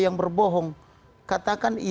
yang berbohong katakan